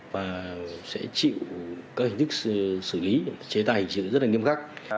và sẽ chịu các hình thức xử lý chế tài rất nghiêm khắc